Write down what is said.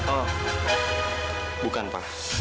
oh bukan pak